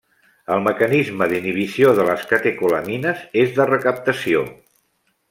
El mecanisme d'inhibició de les catecolamines és de recaptació.